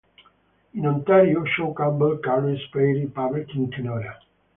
In Ontario, Shaw Cable carries Prairie Public in Kenora.